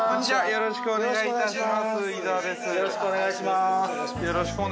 よろしくお願いします。